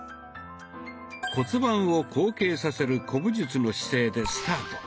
骨盤を後傾させる古武術の姿勢でスタート。